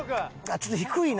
ちょっと低いな。